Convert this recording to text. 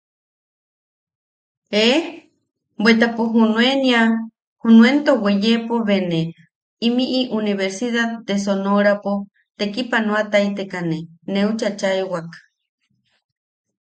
¡Eh! bweta pues junuenia... junuento weeyepo be ne, o imiʼi universidad de sonorapo tekipanoataitekane neu chachaaʼewak.